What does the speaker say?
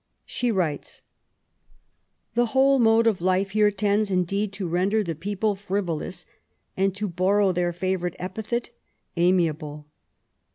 She writes :—... The whole mode of life here tends indeed to render the people friyolons, and, to borrow their fayonrite epithet, amiable.